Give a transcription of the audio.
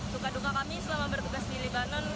suka duka kami selama bertugas di lebanon